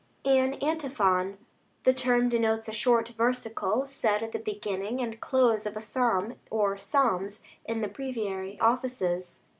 An antiphon. The term denotes a short versicle said at the beginning and close of a psalm or psalms in the Breviary Offices.